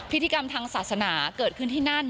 พิธีกรรมทางศาสนาเกิดขึ้นที่นั่น